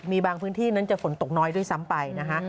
มีบางพื้นที่นั้นจะฝนตกน้อยด้วยซ้ำไปนะคะ